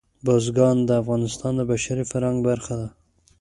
بزګان د افغانستان د بشري فرهنګ برخه ده.